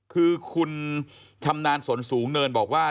แล้วคุณธรรมดาลสนสูงเนินบอกว่า